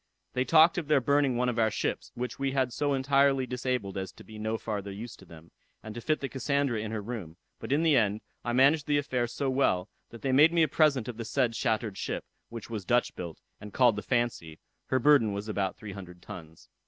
They talked of burning one of their ships, which we had so entirely disabled as to be no farther useful to them, and to fit the Cassandra in her room; but in the end I managed the affair so well, that they made me a present of the said shattered ship, which was Dutch built, and called the Fancy; her burden was about three hundred tons.